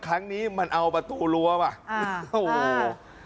ครั้งนี้มันเอาประตูรั้วว่ะโอ้โห